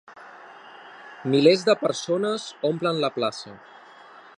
Milers de persones omplen la plaça.